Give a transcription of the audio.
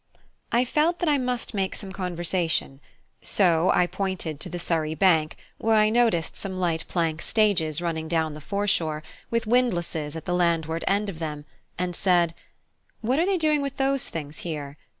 I felt that I must make some conversation; so I pointed to the Surrey bank, where I noticed some light plank stages running down the foreshore, with windlasses at the landward end of them, and said, "What are they doing with those things here?